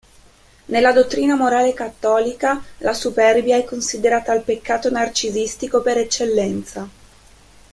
Nella dottrina morale cattolica la superbia è considerata il peccato narcisistico per eccellenza.